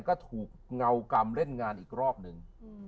ก็ถูกเงากรรมเล่นงานอีกรอบนึง